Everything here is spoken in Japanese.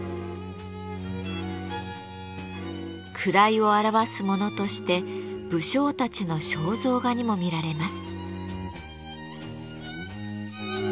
位を表すものとして武将たちの肖像画にも見られます。